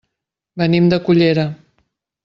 Venim de Cullera.